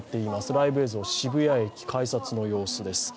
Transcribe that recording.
ライブ映像、渋谷駅改札の様子です。